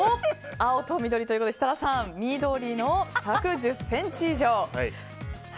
青と緑ということで設楽さんは緑の１１０ｃｍ以上。